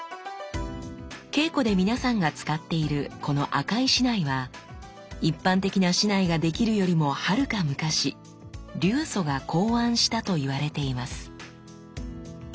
稽古で皆さんが使っているこの赤い竹刀は一般的な竹刀が出来るよりもはるか昔流祖が考案したと言われています。